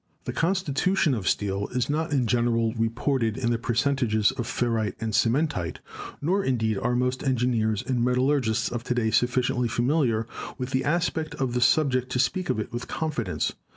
The constitution of steel is not in general reported in the percentages of ferrite and cementite, nor, indeed, are most engineers and metallurgists of to day sufficiently familiar with this aspect of the subject to speak of it with 290 GEOLOGY confidence.